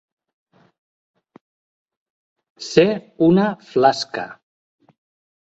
Ser una flasca.